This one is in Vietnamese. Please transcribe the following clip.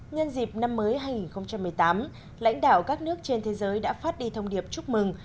nhân dịp năm mới hai nghìn một mươi tám lãnh đạo các nước trên thế giới đã phát đi thông điệp chúc mừng